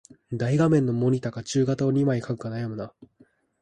大画面のモニタか中型を二枚買うか悩むな